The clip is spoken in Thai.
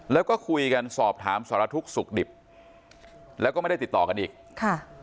แล้วก็คุยกันสอบถามสารทุกข์สุขดิบแล้วก็ไม่ได้ติดต่อกันอีกค่ะ